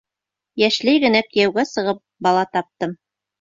— Йәшләй генә кейәүгә сығып, бала таптым.